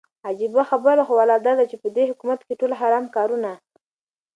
عجيبه خبره خو لا داده چې په دې حكومت كې ټول حرام كارونه